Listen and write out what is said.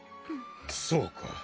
そうか。